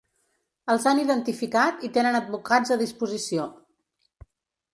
Els han identificat i tenen advocats a disposició.